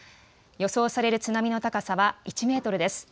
予想される津波の高さは１メートルです。